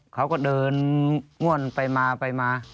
เขาก็เดินง่วนไปมาไปมา